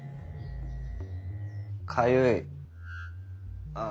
かゆいッ。